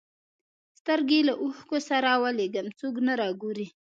سترګي له اوښکو سره ولېږم څوک نه را ګوري